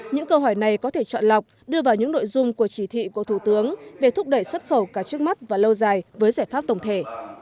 những câu hỏi này có thể chọn lọc đưa vào những nội dung của chỉ thị của thủ tướng về thúc đẩy xuất khẩu cả trước mắt và lâu dài với giải pháp tổng thể